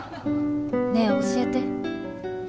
ねえ教えて。